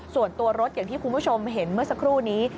ส่วนตัวรถอย่างที่คุณผู้ชมเห็นเมื่อสักครู่นี้